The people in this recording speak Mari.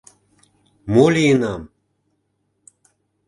Мо лийынам?..